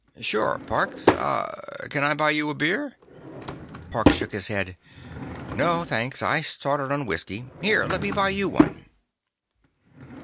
"Sure, Parks. Uh—can I buy you a beer?" Parks shook his head. "No, thanks. I started on whiskey. Here, let me buy you one."